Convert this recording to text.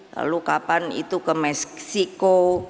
lalu kapan itu ke meksiko